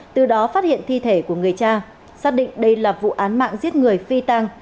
từ đó phát hiện thi thể của người cha xác định đây là vụ án mạng giết người phi tăng